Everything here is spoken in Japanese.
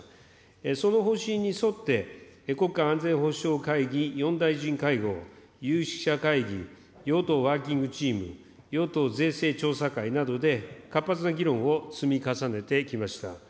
その方針に沿って、国家安全保障会議４大臣会合、有識者会議、与党ワーキングチーム、与党税制調査会などで活発な議論を積み重ねてきました。